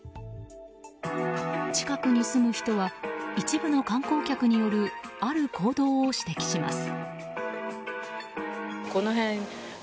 近くに住む人は一部の観光客によるある行動を指摘します。